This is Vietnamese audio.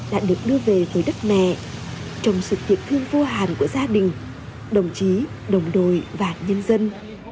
đã được đưa về với đất mẹ trong sự thiệt thương vô hàn của gia đình đồng chí đồng đồi và nhân dân